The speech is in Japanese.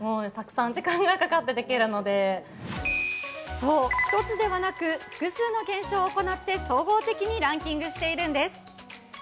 そう、一つではなく複数の検証を行って総合的にランキングしているんです。